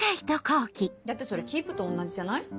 だってそれキープと同じじゃない？